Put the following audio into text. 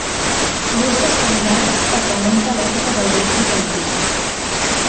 L'ús d'estendards es remunta a l'època del Mèxic antic.